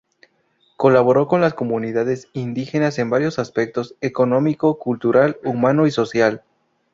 Colaboró con las comunidades indígenas en varios aspectos: económico, cultural, humano y social.